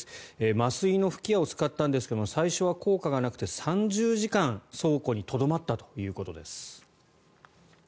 麻酔の吹き矢を使ったんですが最初は効果がなくて３０時間、倉庫にとどまったということです。